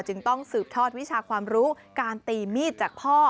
จึงต้องสืบทอดวิชาความรู้การตีมีดจากพ่อ